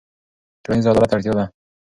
ټولنیز عدالت اړتیا ده.